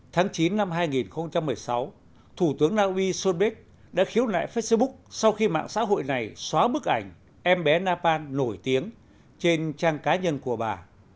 tháng chín năm hai nghìn một mươi sáu thủ tướng naui sonbeck đã khiếu nại facebook sau khi mạng xã hội này xóa bức ảnh em bé napan nổi tiếng trên trang cá nhân của bà